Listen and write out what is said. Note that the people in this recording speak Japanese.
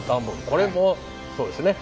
これもそうですね。